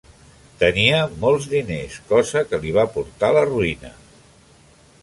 Tenia molts diners, cosa que li va portar la ruïna.